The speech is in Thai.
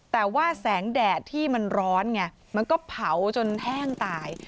แต่ว่าแสงแดดที่มันร้อนไงมันก็เผาจนแห้งตาย